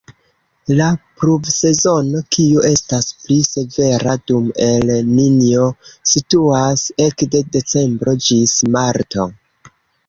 La pluvsezono, kiu estas pli severa dum El-Ninjo, situas ekde decembro ĝis marto.